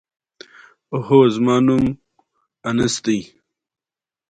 ښارونه د افغان ماشومانو د زده کړې موضوع ده.